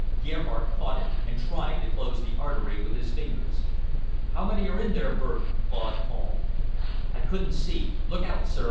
Gerhardt caught him, and tried to close the artery with his fingers. "How many are in there, Bert?" Claude called. "I couldn't see. Look out, sir!